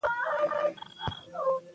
د دې نښې ساتنه زموږ وجیبه ده.